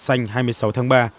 xanh hai mươi sáu tháng ba